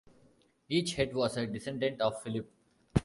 Each head was a descendant of Philip.